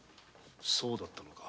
そうだったのか。